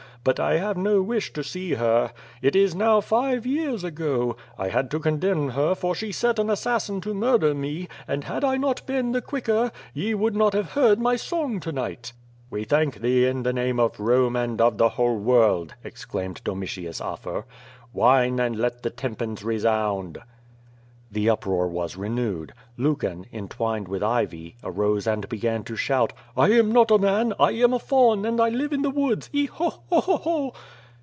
But I have no wish to see her. It is now five years ago— I had to condemn her for she set an assassin to murder me, and had I not been the quicker, ye would not have heard my song to night." ^^e thank thee in the name of Rome and of the whole world,'' exclaimed Domitius Afer. ^^ine and let the tym pana resound." QUO VAD18. 71 The uproar was renewed. Lucan, entwined with ivy, arose and began to slioiit: "I am not a man: 1 am a faun, and I live in the woods. E, ho, o, o o, o.'